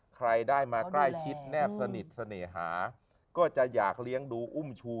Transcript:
ใครได้มาใกล้ชิดแนบสนิทเสน่หาก็จะอยากเลี้ยงดูอุ้มชู